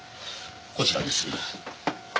こちらです。